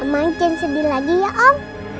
om achan sedih lagi ya om